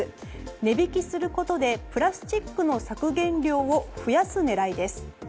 値引きすることでプラスチックの削減量を増やす狙いです。